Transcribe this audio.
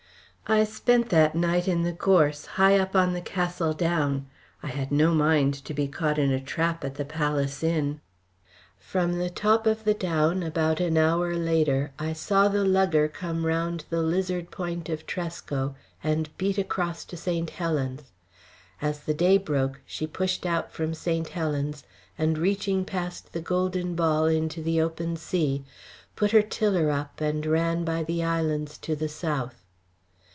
I spent that night in the gorse high up on the Castle Down. I had no mind to be caught in a trap at the Palace Inn. From the top of the down, about an hour later, I saw the lugger come round the Lizard Point of Tresco and beat across to St. Helen's. As the day broke she pushed out from St. Helen's, and reaching past the Golden Ball into the open sea, put her tiller up and ran by the islands to the south.